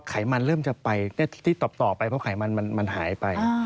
พอไขมันเริ่มจะไปตอบไปพอไขมันมันหายไป